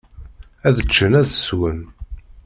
Ad ččen, ad swen.